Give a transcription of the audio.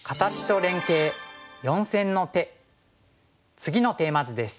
次のテーマ図です。